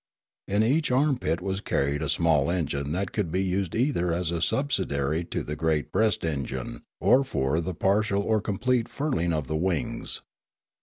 In each armpit was carried a small engine that could be used either as subsidiary to the great breast engine or for the partial or complete furling of the wings.